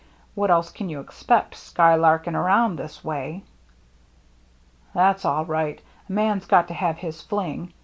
What else can you expect, skylarking around this way?" " That's all right. A man's got to have his fling.